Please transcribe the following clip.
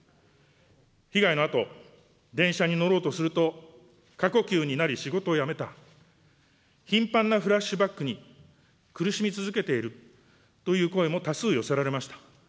被害のあと、電車に乗ろうとすると過呼吸になり仕事を辞めた、頻繁なフラッシュバックに苦しみ続けているという声も多数寄せられました。